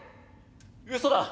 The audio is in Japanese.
「うそだ